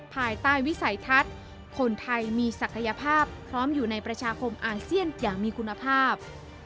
ภายใต้วิสัยทัศน์คนไทยมีศักยภาพพร้อมอยู่ในประชาคมอาเซียนอย่างมีคุณภาพ